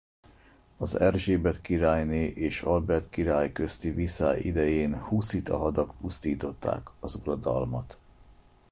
Az Erzsébet királyné és Albert király közti viszály idején huszita hadak pusztították az uradalmat.